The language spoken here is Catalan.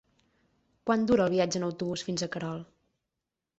Quant dura el viatge en autobús fins a Querol?